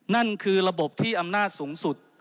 นั่นคือระบบที่อำนาจสูงสุด